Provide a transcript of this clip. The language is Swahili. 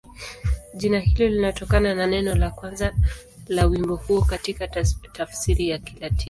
Jina hilo linatokana na neno la kwanza la wimbo huo katika tafsiri ya Kilatini.